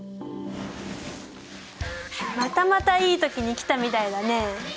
またまたいい時に来たみたいだね。